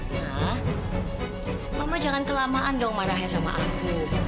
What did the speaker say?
nah mama jangan kelamaan dong marahnya sama aku